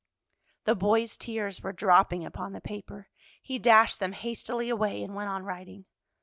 The boy's tears were dropping upon the paper. He dashed them hastily away, and went on writing.